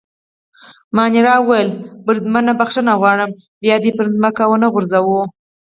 مانیرا وویل: بریدمنه بخښنه غواړم، بیا به دي پر مځکه ونه غورځوو.